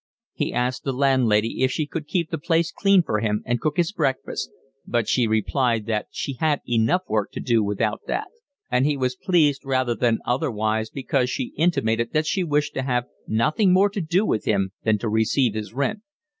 He asked the landlady if she could keep the place clean for him and cook his breakfast, but she replied that she had enough work to do without that; and he was pleased rather than otherwise because she intimated that she wished to have nothing more to do with him than to receive his rent.